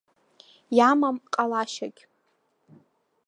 Иамам ҟалашьагь.